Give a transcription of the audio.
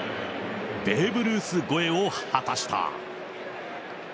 ベーブ・ルース超えを果たした。